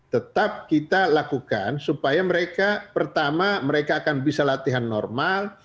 tetap kita lakukan supaya mereka pertama mereka akan bisa latihan normal